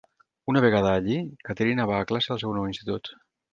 Una vegada allí, Caterina va a classe al seu nou institut.